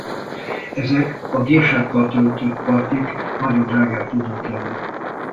Ezek a gésákkal töltött partik nagyon drágák tudnak lenni.